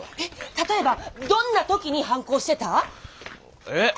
例えばどんな時に反抗してた？え？